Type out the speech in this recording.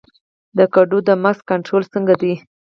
د کدو د مګس کنټرول څنګه دی؟